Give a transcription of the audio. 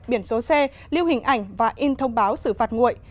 biển số xe lưu hình ảnh và in thông báo xử phạt nguội